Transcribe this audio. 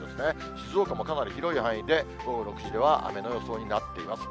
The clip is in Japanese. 静岡もかなり広い範囲で午後６時では雨の予想になっています。